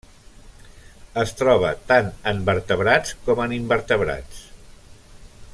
Es troba tant en vertebrats com en invertebrats.